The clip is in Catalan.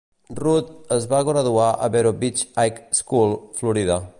Root es va graduar a Vero Beach High School, Florida.